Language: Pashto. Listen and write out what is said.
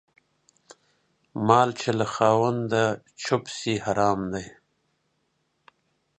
مال چې له خاونده چپ سي حرام دى.